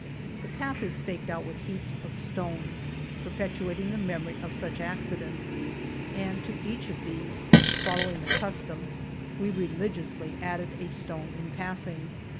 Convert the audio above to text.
The path is staked out with heaps of stones, perpetuating the memory of such accidents, and to each of these, follow ing the custom, we religiously added a stone in passing.